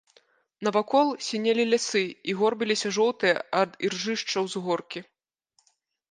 Навакол сінелі лясы і горбіліся жоўтыя ад іржышча ўзгоркі.